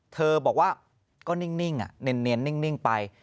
เธอบอกว่าก็นิ่งอ่ะเนียนไป